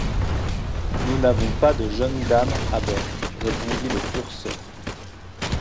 Nous n’avons pas de jeune dame à bord, répondit le purser.